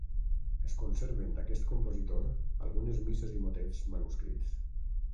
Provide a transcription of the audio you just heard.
Es conserven d'aquest compositor algunes misses i motets manuscrits.